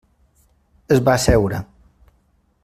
Es va asseure.